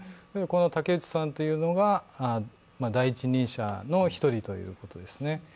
竹内さんというのが第一人者の一人ということですね。